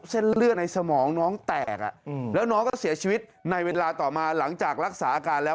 เส้นเลือดในสมองน้องแตกแล้วน้องก็เสียชีวิตในเวลาต่อมาหลังจากรักษาอาการแล้ว